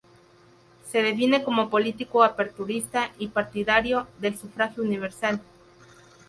Se define como político aperturista y partidario del sufragio universal.